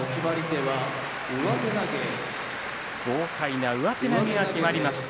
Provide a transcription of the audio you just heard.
豪快な上手投げがきまりました。